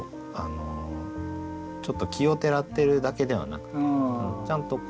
ちょっと奇をてらってるだけではなくてちゃんと伴っているなと。